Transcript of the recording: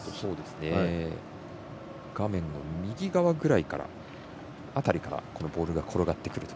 画面の右側辺りからこのボールが転がってくると。